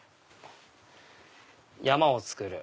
山を作る。